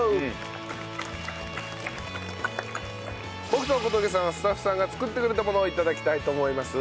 僕と小峠さんはスタッフさんが作ってくれたものを頂きたいと思います。